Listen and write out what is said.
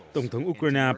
tổng thống ukraine petro